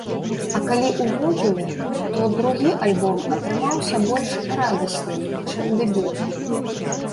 А калі ўвогуле, то другі альбом атрымаўся больш радасным, чым дэбютны.